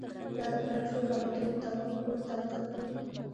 دا د پلان شوو فعالیتونو مطابقت ګوري.